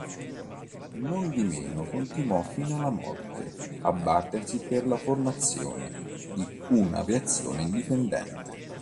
Nondimeno continuò fino alla morte a battersi per la formazione di un'aviazione indipendente.